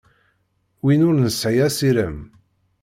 Win ur nesɛi asirem.